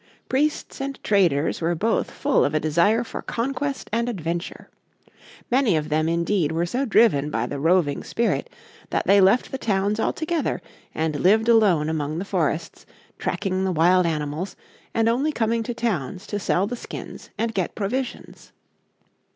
Priests and traders were both full of a desire for conquest and adventure. Many of them indeed were so driven by the roving spirit that they left the towns altogether and lived alone among the forests, tracking the wild animals, and only coming to towns to sell the skins and get provisions.